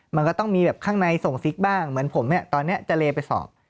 มันก็ต้องมีแบบข้างในส่งซิกบ้างเหมือนผมเนี่ยตอนนี้จะเลไปสอบ